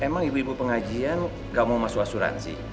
emang ibu ibu pengajian gak mau masuk asuransi